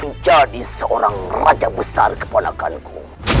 menjadi seorang raja besar keponakan ku